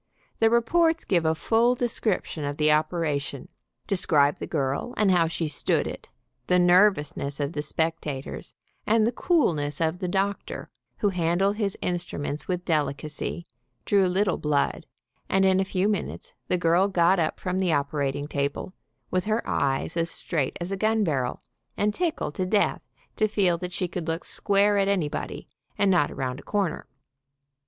The reports give a full descrip tion of the operation, describe the girl, and how she stood it, the nervousness of the spectators, and the coolness of the doctor, who handled his instruments with delicacy, drew little blood, and in a few min utes the girl got up from the operating table with her eyes as straight as a gun barrel, and tickled to death to feel that she could look square at anybody, and not around a corner.